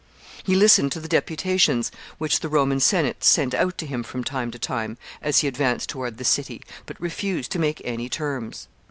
He listened to the deputations which the Roman Senate sent out to him from time to time, as he advanced toward the city, but refused to make any terms.